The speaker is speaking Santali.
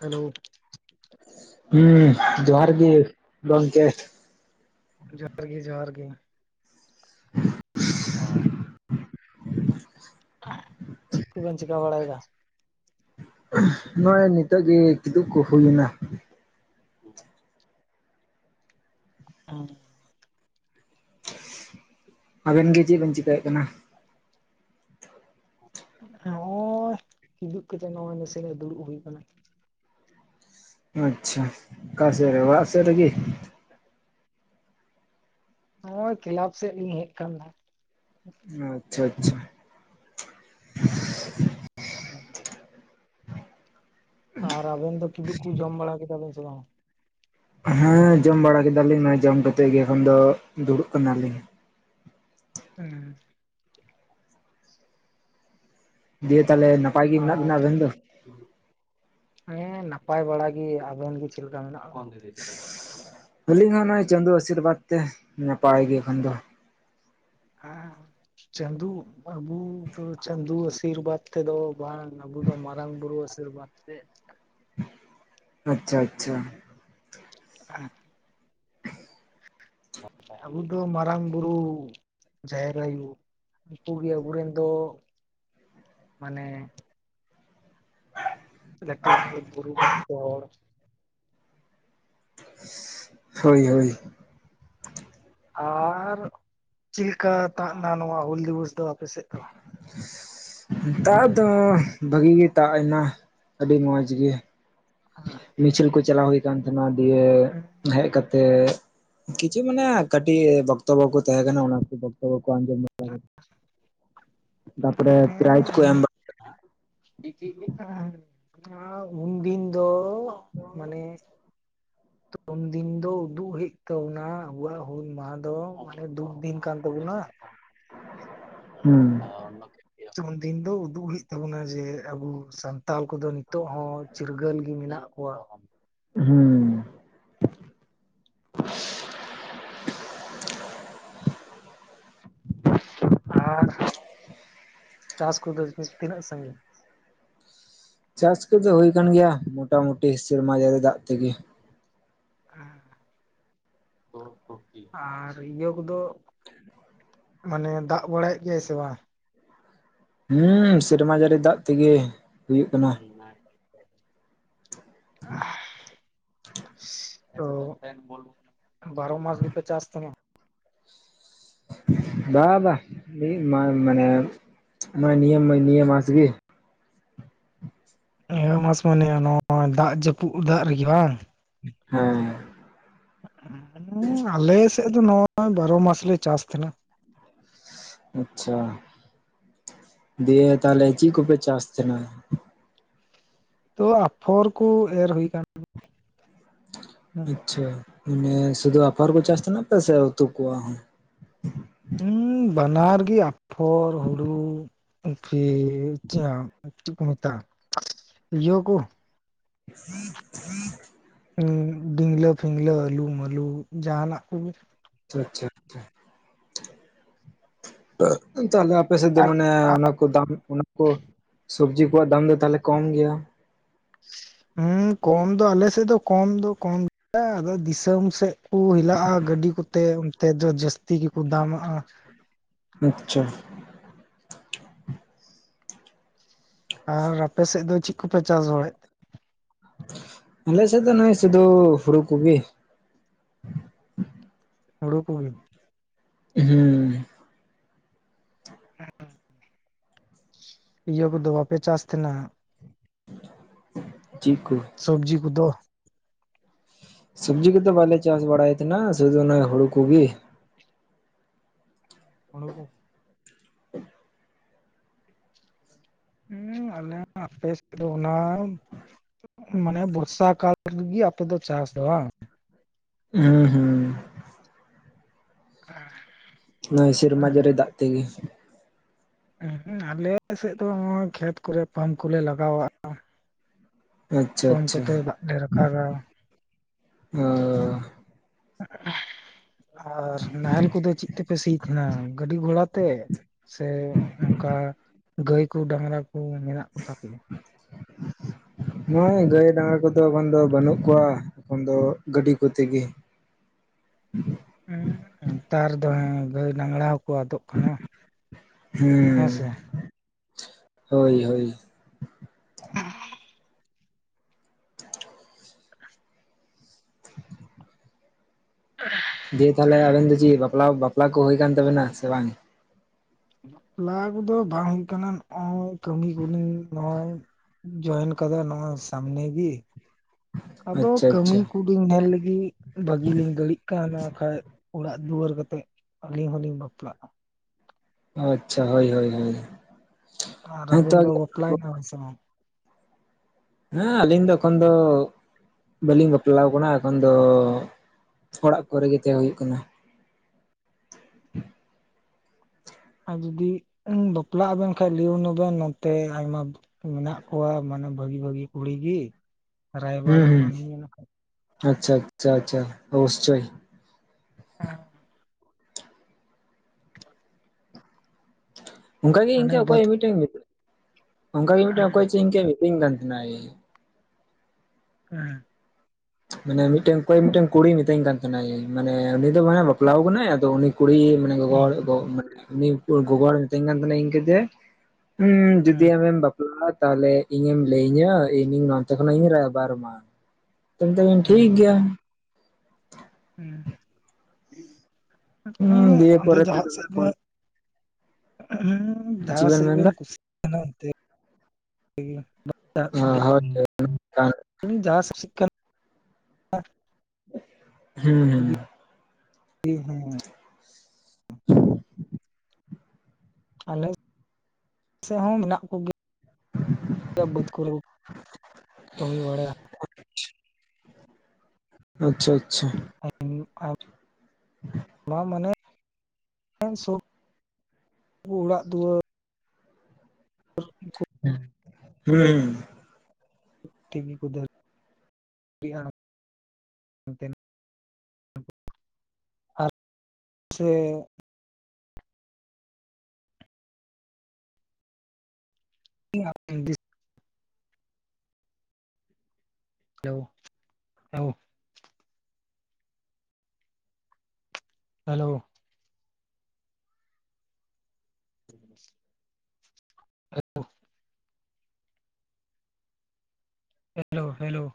ᱦᱮᱞᱳ ᱦᱮᱸ ᱡᱚᱦᱟᱨ ᱜᱮ ᱜᱚᱢᱠᱮ ᱡᱚᱦᱟᱨ ᱜᱮ ᱡᱚᱦᱟᱨ ᱜᱮ [inaudible] ᱚ ᱪᱮᱫ ᱠᱚᱵᱮᱱ ᱪᱤᱠᱟᱹ ᱵᱟᱲᱟᱭᱮᱫᱟ? ᱱᱚᱜ-ᱚᱭ ᱱᱤᱛᱚᱜ ᱜᱮ ᱠᱤᱫᱩᱜ ᱠᱚ ᱦᱩᱭᱱᱟ᱾ [inaudible] ᱟᱵᱮᱱ ᱜᱮ ᱪᱮᱫ ᱵᱮᱱ ᱪᱤᱠᱟᱹᱭᱮᱫ ᱠᱟᱱᱟ? ᱱᱚᱜᱼᱚᱭ ᱠᱤᱫᱩᱜ ᱠᱟᱛᱮᱜ ᱱᱚᱜᱼᱚᱭ ᱱᱟᱥᱮᱱᱟᱜ ᱫᱩᱲᱩᱵ ᱦᱩᱭᱩᱜ ᱠᱟᱱᱟ ᱟᱪᱪᱷᱟ ᱚᱠᱟ ᱥᱮᱫ ᱨᱮ ᱚᱲᱟᱜ ᱥᱮᱫ ᱨᱮᱜᱮ, ᱱᱚᱜᱚᱭ ᱠᱞᱟᱵ ᱥᱮᱫ ᱞᱤᱧ ᱦᱮᱡ ᱟᱠᱟᱱ ᱜᱮ ᱟᱪᱪᱷᱟ ᱟᱪᱪᱷᱟ [inaudible] ᱟᱨ ᱟᱵᱮᱱ ᱫᱚ ᱠᱤᱫᱩᱵ ᱠᱚ ᱡᱚᱢ ᱵᱟᱲᱟ ᱠᱮᱫᱟ ᱵᱮᱱ ᱥᱮ ᱵᱟᱝ? ᱦᱮᱸ ᱡᱚᱢ ᱵᱟᱲᱟ ᱠᱮᱫᱟᱞᱤᱧ ᱱᱚᱭ ᱡᱚᱢ ᱠᱟᱛᱮᱫ ᱜᱮ ᱮᱠᱷᱚᱱ ᱫᱚ ᱫᱩᱲᱩᱵ ᱠᱟᱱᱟᱞᱤᱧ᱾ ᱦᱮᱸ ᱫᱤᱭᱮ ᱛᱟᱦᱚᱞᱮ ᱱᱟᱯᱟᱭ ᱜᱮ ᱢᱮᱱᱟᱜ ᱟᱨ ᱵᱮᱱᱟ ᱟᱵᱮᱱ ᱫᱚ ᱦᱮᱸ ᱱᱟᱯᱟᱭ ᱵᱟᱲᱟ ᱜᱮ ᱟᱵᱮᱱ ᱜᱮ ᱪᱮᱫ ᱞᱮᱠᱟ ᱢᱮᱱᱟᱜ [inaudible] ᱟᱹᱞᱤᱧ ᱦᱚᱸ ᱱᱚᱜᱼᱚᱭ ᱪᱟᱸᱫᱳ ᱟᱥᱤᱨᱵᱟᱫᱽ ᱛᱮ ᱱᱟᱯᱟᱭ ᱜᱮ ᱮᱠᱷᱚᱱ ᱫᱚ᱾ ᱦᱮᱸ ᱪᱟᱸᱫᱩ ᱵᱟᱵᱩ ᱫᱚ ᱪᱟᱸᱫᱩ ᱟᱥᱤᱨᱵᱟᱫᱽ ᱛᱮᱫᱚ ᱵᱟᱝ ᱟᱵᱚ ᱫᱚ ᱢᱟᱨᱟᱝ ᱵᱩᱨᱩ ᱟᱥᱤᱨᱵᱟᱫ ᱛᱮ᱾ ᱟᱪᱪᱷᱟ ᱟᱪᱪᱷᱟ [inaudible] ᱟᱵᱚ ᱫᱚ ᱢᱟᱨᱟᱝ ᱵᱩᱨᱩ ᱡᱟᱦᱮᱨ ᱟᱭᱩ ᱩᱱᱠᱩ ᱜᱮ ᱟᱵᱚᱨᱮᱱ ᱫᱚ ᱢᱟᱱᱮ ᱞᱟᱹᱴᱷᱩ ᱵᱩᱨᱩ ᱠᱚᱦᱚ ᱠᱚ ᱦᱚᱲ [unintelligible] ᱦᱳᱭ ᱦᱳᱭ ᱟᱨ ᱪᱤᱞ ᱞᱤᱠᱟ ᱛᱟᱵᱱᱟ ᱱᱚᱣᱟ ᱦᱩᱞ ᱫᱤᱵᱚᱥ ᱫᱚ ᱟᱯᱮᱥᱮᱫ ᱫᱚ? [inaudible] ᱫᱟᱜ ᱫᱚ ᱵᱷᱟᱹᱜᱤ ᱜᱮ ᱫᱟᱜ ᱮᱱᱟ ᱟᱹᱰᱤ ᱢᱚᱸᱡᱽ ᱜᱮ ᱦᱮᱸ ᱢᱤᱪᱷᱤᱞ ᱠᱚ ᱪᱟᱞᱟᱣ ᱦᱩᱭ ᱠᱟᱱ ᱛᱟᱦᱮᱸᱱᱟ ᱫᱤᱭᱮ ᱦᱮᱸ ᱦᱮᱡ ᱠᱟᱛᱮᱜ ᱠᱤᱪᱷᱩ ᱢᱟᱱᱮ ᱠᱟᱹᱴᱤᱡ ᱵᱚᱠᱛᱚᱵᱚ ᱠᱚ ᱛᱟᱦᱮᱸ ᱠᱟᱱᱟ ᱚᱱᱟ ᱠᱚ ᱵᱚᱠᱛᱚᱵᱚ ᱠᱚ ᱟᱸᱡᱚᱢ ᱦ ᱛᱟᱯᱚᱨᱮ ᱯᱨᱟᱭᱡ ᱠᱚ ᱮᱢᱵᱟ ᱩᱱᱫᱤᱱ ᱫᱚ- ᱢᱟᱱᱮ- ᱛᱚ ᱩᱱᱫᱤᱱ ᱫᱚ ᱩᱫᱩᱜ ᱦᱩᱭᱩᱜ ᱛᱟᱵᱚᱱᱟ ᱟᱵᱩᱣᱟᱜ ᱦᱩᱞ ᱢᱟᱦᱟ ᱫᱚ ᱢᱟᱱᱮ ᱫᱩᱠ ᱫᱤᱱ ᱠᱟᱱ ᱛᱟᱵᱚᱱᱟ᱾ ᱦᱩᱸ [inaudible] ᱩᱱ ᱫᱤᱱ ᱫᱚ ᱩᱫᱩᱜ ᱦᱩᱭᱩᱜ ᱛᱟᱵᱚᱱᱟ ᱡᱮ ᱟᱵᱚ ᱥᱟᱱᱛᱟᱞ ᱠᱚᱫᱚ ᱱᱤᱛᱚᱜ ᱦᱚᱸ- ᱪᱤᱨᱜᱟᱹᱞ ᱜᱮ ᱢᱮᱱᱟᱜ ᱠᱚᱣᱟ᱾ ᱦᱩᱸ [inaudible] ᱟᱨ ᱪᱟᱥ ᱠᱚᱫᱚ ᱛᱤᱱᱟᱹᱜ ᱥᱟᱺᱜᱤᱧ ᱪᱟᱥ ᱠᱚᱫᱚ ᱦᱳᱭ ᱟᱠᱟᱱ ᱜᱮᱭᱟ ᱢᱚᱴᱟ ᱢᱩᱴᱤ ᱥᱮᱨᱢᱟ ᱡᱟᱹᱨᱤ ᱫᱟᱜ ᱛᱮᱜᱮ ᱟᱨ ᱤᱭᱟᱹ ᱠᱚᱫᱚ- ᱢᱟᱱᱮ ᱫᱟᱜ ᱵᱟᱲᱟᱭᱮᱫ ᱜᱮᱭᱟᱭ ᱥᱮ ᱵᱟᱝ ᱦᱩᱸ ᱥᱮᱨᱢᱟ ᱡᱟᱹᱲᱤ ᱫᱟᱜ ᱛᱮᱜᱮ ᱦᱩᱭᱩᱜ ᱠᱟᱱᱟ ᱦ [inaudible] ᱚ ᱵᱟᱨᱚ ᱢᱟᱥ ᱜᱮᱯᱮ ᱪᱟᱥ ᱛᱟᱦᱮᱱ ᱵᱟ ᱵᱟ ᱢᱟᱱᱮ ᱱᱚᱸᱜᱼᱚᱭ ᱱᱤᱭᱟᱹ ᱢᱟ ᱱᱤᱭᱟᱹ ᱢᱟᱥ ᱜᱮ ᱱᱤᱟᱣᱹ ᱢᱟᱥ ᱢᱟᱱᱮ ᱱᱚᱜᱚᱭ ᱫᱟᱜ ᱡᱟᱹᱯᱩᱫ ᱫᱟᱜ ᱨᱮᱜᱮ ᱵᱟᱝ ᱦᱮᱸ ᱟᱞᱮ ᱥᱮᱫ ᱫᱚ ᱱᱚᱜᱚᱭ ᱵᱟᱨᱚ ᱢᱟᱥᱞᱮ ᱪᱟᱥ ᱛᱟᱦᱮᱸᱱᱟ ᱟᱪᱪᱷᱟ ᱫᱤᱭᱮ ᱛᱟᱦᱚᱞᱮ ᱪᱮᱫ ᱠᱚᱯᱮ ᱪᱟᱥ ᱛᱟᱦᱮᱱᱟ ᱛᱚ ᱟᱯᱷᱚᱨ ᱠᱚ ᱮᱨ ᱦᱩᱭᱠᱟᱱᱟ ᱟᱪᱪᱷᱟ ᱢᱟᱱᱮ ᱥᱩᱫᱷᱩ ᱟᱯᱟᱨ ᱠᱚ ᱪᱟᱥ ᱨᱮᱱᱟᱜ ᱯᱮ ᱥᱮ ᱩᱛᱩ ᱠᱚᱣᱟ ᱦᱚᱸ ᱦᱸ ᱵᱟᱱᱟᱨ ᱜᱤ ᱟᱯᱷᱚᱨ ᱦᱩᱲᱩ- ᱯᱷᱤ ᱪᱟ ᱪᱮᱫ ᱠᱚ ᱢᱮᱛᱟᱜᱼᱟ ᱤᱭᱟᱹᱠᱚ- [inaudible] ᱦ ᱵᱤᱝᱽᱞᱟᱹ ᱯᱷᱤᱝᱞᱟᱹ ᱟᱹᱞᱩᱢᱟᱹᱞᱩ ᱡᱟᱦᱟᱱᱟᱜ ᱠᱚᱜᱮ ᱟᱪᱷᱟ ᱟᱪᱪᱷᱟ ᱟᱪᱪᱷᱟ ᱛᱟᱦᱞᱮ ᱟᱯᱮ ᱥᱮᱫ ᱫᱚ ᱢᱟᱱᱮ ᱚᱱᱟ ᱠᱚ ᱫᱟᱢ ᱚᱱᱟ ᱠᱚ- ᱥᱚᱵᱽᱡᱤ ᱠᱚᱣᱟᱜ ᱫᱟᱢ ᱫᱚ ᱛᱟᱦᱚᱞᱮ ᱠᱚᱢ ᱜᱮᱭᱟ ᱦᱮᱸ ᱠᱚᱢ ᱫᱚ ᱟᱞᱮ ᱥᱮᱫ ᱫᱚ ᱠᱚᱢ ᱫᱚ ᱠᱚᱢ ᱜᱮᱭᱟ ᱟᱫᱚ ᱫᱤᱥᱚᱢ ᱥᱮᱫ- ᱠᱚ ᱦᱤᱞᱟᱜᱼᱟ ᱜᱟᱹᱰᱤ ᱠᱚᱛᱮ ᱚᱱᱛᱮ ᱫᱚ ᱡᱟᱹᱥᱛᱤ ᱜᱮᱠᱚ ᱫᱟᱢᱟᱜᱼᱟ ᱟᱪᱪᱷᱟ ᱟᱨ ᱟᱯᱮ ᱥᱮᱫ ᱫᱚ ᱪᱮᱫ ᱠᱚᱯᱮ ᱪᱟᱥ ᱵᱟᱲᱟᱮᱫᱼᱟ ᱟᱞᱮ ᱥᱮᱫ ᱱᱚᱜᱼᱚᱭ ᱥᱩᱫᱩ ᱦᱩᱲᱩ ᱠᱚᱜᱤ ᱦᱩᱲᱩ ᱠᱚᱜᱮ ᱦᱩᱸ [inaudible] ᱤᱭᱟᱹ ᱠᱚᱫᱚ ᱵᱟᱯᱮ ᱪᱟᱥ ᱛᱮ ᱱᱟᱦᱟᱜ ᱡᱤᱫ ᱠᱚ ᱥᱚᱵᱽᱡᱤ ᱠᱚᱫᱚ ᱥᱚᱵᱡᱤ ᱠᱚᱫᱚ ᱵᱟᱞᱮ ᱪᱟᱥ ᱵᱟᱲᱟᱭ ᱛᱟᱦᱮᱱᱟ ᱥᱩᱫᱩ ᱚᱱᱟ ᱦᱩᱲᱩ ᱠᱚᱜᱮ ᱦᱩᱲᱩ ᱠᱚᱜᱮ ᱦᱩᱸ ᱟᱞᱮ ᱦᱚᱸ ᱟᱯᱮ ᱥᱮᱫ ᱫᱚ ᱚᱱᱟ- ᱢᱟᱱᱮ ᱵᱚᱨᱥᱟ ᱠᱟᱞ ᱨᱮᱜᱤ ᱟᱯᱮ ᱫᱚ ᱪᱟᱥ ᱫᱚ ᱵᱟᱝ ᱦᱩᱸ ᱦᱩᱸ [unintelligible] ᱱᱚᱭ ᱥᱮᱨᱢᱟ ᱡᱳᱨᱮ ᱫᱟᱜ ᱛᱮᱜᱮ- ᱩᱸ ᱦᱩᱸ ᱟᱞᱮᱥᱮᱫ ᱫᱚ ᱱᱚᱜ ᱚᱭ ᱠᱷᱮᱛ ᱠᱚᱨᱮ ᱯᱟᱢᱯ ᱠᱚᱞᱮ ᱞᱟᱜᱟᱣᱟᱜᱼᱟ ᱟᱪᱪᱷᱟ ᱯᱟᱢᱯ ᱟᱪᱪᱷᱟ ᱠᱚᱛᱮ ᱫᱟᱜ ᱞᱮ ᱨᱟᱠᱟᱜᱟ ᱚ ᱟᱨ ᱱᱟᱦᱮᱞ ᱠᱚᱫᱚ ᱪᱮᱫ ᱛᱮᱯᱮ ᱥᱤᱭ ᱛᱟᱦᱮᱱᱟ ᱜᱟᱹᱰᱤ ᱜᱷᱚᱲᱟ ᱛᱮ ᱥᱮ ᱚᱱᱠᱟ ᱜᱟᱹᱭ ᱠᱚ ᱰᱟᱺᱝᱨᱟ ᱠᱚ ᱢᱮᱱᱟᱜ ᱠᱚᱛᱟ ᱯᱮᱭᱟ [unintelligible] ᱱᱚᱜᱚᱭ ᱜᱟᱹᱭ ᱰᱟᱺᱝᱨᱟ ᱠᱚᱫᱚ ᱵᱟᱹᱜ ᱫᱚ ᱵᱟᱹᱱᱩᱜ ᱠᱚᱣᱟ ᱮᱠᱷᱚᱱ ᱫᱚ ᱜᱟᱹᱰᱤ ᱠᱚᱛᱮ ᱜᱮ ᱦᱩᱸ ᱱᱮᱛᱟᱨ ᱫᱚ ᱦᱮᱸ ᱜᱟᱹᱭ ᱰᱟᱺᱝᱨᱟ ᱦᱮᱸ ᱦᱩᱸ ᱥᱮ ᱦᱳᱭ ᱦᱳᱭ [unintelligible] [unintelligible] ᱫᱤᱭᱮ ᱛᱟᱦᱚᱞᱮ ᱟᱵᱮᱱ ᱫᱚ ᱪᱮᱫ ᱵᱟᱯᱞᱟ ᱵᱟᱯᱞᱟ ᱠᱚ ᱦᱩᱭ ᱟᱠᱟᱱ ᱛᱟᱵᱮᱱᱟ ᱥᱮ ᱵᱟᱝ ᱵᱟᱯᱞᱟ ᱠᱚᱫᱚ ᱵᱟᱝ ᱦᱩᱭᱩᱜ ᱠᱟᱱᱟ ᱱᱚᱜᱚᱭ ᱠᱟᱹᱢᱤ ᱠᱚᱞᱤᱧ ᱱᱚᱜᱚᱭ ᱡᱚᱭᱮᱱ ᱠᱟᱫᱟ ᱱᱚᱣᱟ ᱥᱟᱢᱱᱮ ᱜᱤ ᱟᱫᱚ ᱟᱪᱪᱷᱟ ᱠᱟᱹᱢᱤ ᱟᱪᱪᱷᱟ ᱠᱩᱞᱤᱧ ᱧᱮᱞ ᱞᱤᱜᱤ ᱵᱷᱟᱹᱜᱤ ᱞᱤᱧ ᱫᱟᱹᱲᱤᱜ ᱠᱟᱱᱟ ᱠᱷᱟᱡ ᱚᱲᱟᱜ ᱫᱩᱣᱟᱹᱨ ᱠᱟᱛᱮᱜ ᱟᱹᱞᱤᱧ ᱦᱚᱞᱤᱧ ᱵᱟᱯᱞᱟᱜᱼᱟ ᱟᱪᱪᱷᱟ ᱦᱳᱭ ᱦᱳᱭ ᱦᱳᱭ ᱟᱨ ᱟᱵᱮᱱ ᱦᱮᱸᱛᱚ ᱫᱚ ᱵᱟᱯᱞᱟᱭ ᱱᱟᱵᱮᱱ ᱥᱮ ᱵᱟᱝ ᱦᱮᱸ ᱟᱹᱞᱤᱧ ᱫᱚ ᱮᱠᱷᱚᱱ ᱫᱚ ᱵᱟᱹᱞᱤᱧ ᱵᱟᱯᱞᱟᱣ ᱠᱟᱱᱟ ᱮᱠᱷᱚᱱ ᱫᱚ ᱚᱲᱟᱜ ᱠᱚᱨᱮ ᱜᱮ ᱛᱟᱦᱮᱸ ᱦᱩᱭᱩᱜ ᱠᱟᱱᱟ ᱟᱨ ᱡᱩᱫᱤ ᱵᱟᱯᱞᱟᱜ ᱟᱵᱮᱱ ᱠᱷᱟᱱ ᱞᱟᱹᱭᱚ ᱱᱚ ᱵᱮᱱ ᱱᱚᱛᱮ ᱟᱭᱢᱟ ᱢᱮᱱᱟᱜ ᱠᱚᱣᱟ ᱢᱟᱱᱮ ᱵᱷᱟᱹᱜᱤ ᱵᱷᱟᱹᱜᱤ ᱠᱩᱲᱤ ᱜᱤ ᱨᱟᱭᱵᱟᱲ ᱦᱩᱸ ᱦᱩᱸ ᱟᱢᱟᱞᱤᱧ ᱢᱮᱱᱟᱠᱟᱜ ᱟᱪᱪᱷᱟ ᱟᱪᱪᱷᱟ ᱟᱪᱪᱷᱟ ᱚᱵᱩᱥᱪᱚᱭ ᱦᱮᱸ ᱚᱱᱠᱟ ᱜᱤ ᱦᱟᱱᱮ ᱤᱱᱠᱟᱹ ᱵᱟᱹᱫ ᱚᱠᱚᱭ ᱢᱤᱫᱴᱮᱱ ᱚᱱᱠᱟ ᱜᱮ ᱢᱤᱫᱴᱮᱱ ᱚᱠᱚᱭ ᱪᱮ ᱤᱱᱠᱟᱹ ᱛᱤᱧ [unintelligible] ᱠᱟᱛᱷᱮᱱᱟᱭᱮ [unintelligible] ᱢᱟᱱᱮ ᱢᱤᱫᱴᱮᱱ ᱚᱠᱚᱭ ᱢᱤᱫᱴᱮᱱ ᱠᱩᱲᱤ ᱢᱤᱛᱟᱹᱧ ᱠᱟᱱ ᱛᱟᱦᱮᱱᱟᱭ ᱢᱟᱱᱮ ᱩᱱᱤ ᱫᱚ ᱢᱟᱱᱮ ᱵᱟᱯᱞᱟᱣ ᱠᱟᱱᱟᱭ ᱟᱫᱚ ᱩᱱᱤ ᱠᱩᱲᱤ ᱢᱟᱱᱮ ᱜᱚᱜᱚ ᱦᱚᱲ ᱩᱱᱤ ᱜᱚᱜᱚ ᱦᱚᱲ ᱢᱤᱛᱟᱹᱧ ᱠᱟᱱ ᱛᱟᱦᱮᱱᱟ ᱤᱱᱠᱟᱹᱛᱮ ᱦᱩᱸ ᱡᱩᱫᱤ ᱦᱮᱸ ᱟᱢᱮᱢ ᱵᱟᱯᱞᱟᱜᱼᱟ ᱛᱟᱦᱚᱞᱮ ᱤᱧᱮᱢ ᱞᱟᱹᱭ ᱤᱧᱟ ᱤᱧᱤᱧ ᱱᱚᱱᱛᱮ ᱠᱷᱚᱱᱟᱜ ᱤᱧ ᱨᱟᱭᱵᱟᱨᱟᱢᱟ ᱚᱱᱛᱮ ᱵᱮᱱ ᱴᱷᱤᱠ ᱜᱮᱭᱟ ᱦᱩᱸ ᱦᱩᱸ ᱫᱤᱭᱮ ᱟᱫᱚ ᱯᱚᱨᱮ ᱛᱮ ᱡᱟᱦᱟᱸ ᱫᱚᱢᱮ ᱥᱮᱫ ᱫᱚ ᱯᱷᱳᱱ ᱦᱩᱸ ᱪᱮᱫ ᱡᱟᱦᱟᱸ ᱥᱮᱫ ᱢᱮᱱᱫᱟ ᱵᱮᱱ ᱠᱩᱥᱤᱜ ᱠᱟᱱᱟ ᱚᱱᱛᱮ ᱴᱷᱤᱜ ᱱᱟ [unintelligible] ᱦᱩᱸ [unintelligible] ᱤᱧ ᱦᱚᱸ ᱟᱞᱮ ᱥᱮᱫ ᱦᱚᱸ ᱢᱮᱱᱟᱜ ᱠᱚ ᱜᱤᱭᱟ ᱵᱟᱹᱫᱽ ᱠᱚᱨᱮᱠᱚ ᱠᱟᱹᱢᱤ ᱵᱟᱲᱭᱟ ᱟᱪᱪᱷᱟ ᱟᱪᱪᱷᱟ ᱦᱮᱸ ᱦᱩᱭᱩᱜᱠᱷᱟᱱ ᱱᱚᱣᱟ ᱢᱟᱱᱮ [unintelligible] ᱚᱲᱟᱜ ᱫᱩᱣᱟᱹᱨ ᱦᱩᱸ ᱦᱩᱸ ᱠᱚᱫᱚ ᱦᱩᱸ ᱴᱷᱤᱠ ᱜᱤ ᱠᱩᱫᱟᱹᱨ [unintelligible] [unintelligible] ᱟᱨ ᱥᱮ [unintelligible] hello hello hello [inaudible] [unintelligible] hello hello